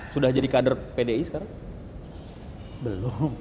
sudah jadi kader pdi sekarang belum